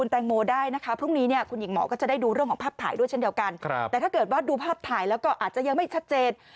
แต่ถ้าเกิดว่าดูภาพถ่ายแล้วก็อาจจะยังไม่ชัดเจน